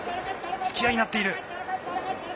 突き合いになっている。